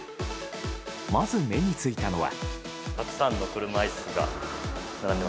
まず目についたのは。